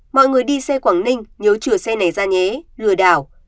mọi người đi xe quảng ninh nhớ chữa xe nẻ ra nhé lừa đảo